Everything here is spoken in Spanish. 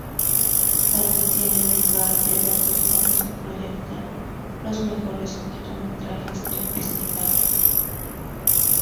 Allí tienen lugar eventos donde se proyectan los mejores cortometrajes del festival.